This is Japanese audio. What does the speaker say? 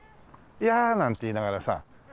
「やあー！」なんて言いながらさ。